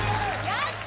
・やった！